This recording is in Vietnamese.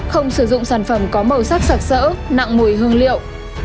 không sử dụng sản phẩm có màu sắc sạc sỡ nặng mùi hương liệu